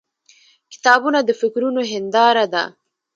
• کتابونه د فکرونو هنداره ده.